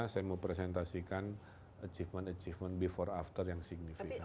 saya mau presentasikan achievement achievement before after yang signifikan